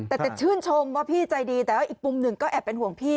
แต่จะชื่นชมว่าพี่ใจดีแต่ว่าอีกมุมหนึ่งก็แอบเป็นห่วงพี่